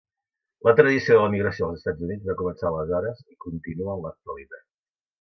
La tradició de l'emigració als Estats Units va començar aleshores i continua en l'actualitat.